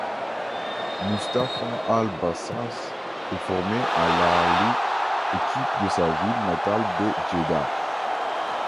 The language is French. Mustafa Al-Bassas est formé à l'Al-Ahli, équipe de sa ville natale de Djeddah.